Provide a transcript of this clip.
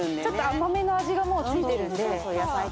甘めの味が付いてるんで。